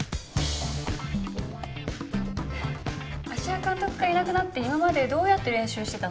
芦屋監督がいなくなって今までどうやって練習してたの？